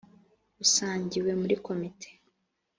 busangiwe muri komite